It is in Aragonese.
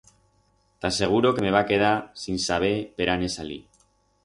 T'aseguro que me va quedar sin saber per áne salir.